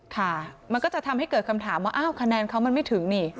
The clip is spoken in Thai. ค่ะมันก็จะทำให้เกิดคำถามว่าอ้าวคะแนนเขามันไม่ถึงนี่